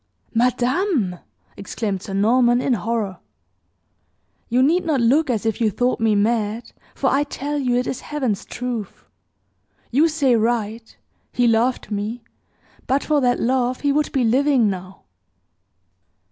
"Madame," exclaimed Sir Norman, in horror. "You need not look as if you thought me mad, for I tell you it is Heaven's truth! You say right he loved me; but for that love he would be living now!"